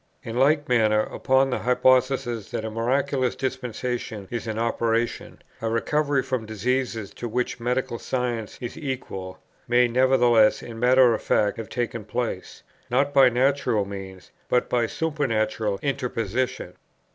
In like manner, upon the hypothesis that a miraculous dispensation is in operation, a recovery from diseases to which medical science is equal, may nevertheless in matter of fact have taken place, not by natural means, but by a supernatural interposition.